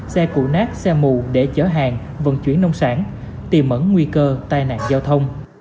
xe cụ nát xe mù để chở hàng vận chuyển nông sản tìm mẩn nguy cơ tai nạn giao thông